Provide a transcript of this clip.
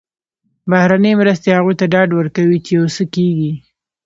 بهرنۍ مرستې هغوی ته ډاډ ورکوي چې یو څه کېږي.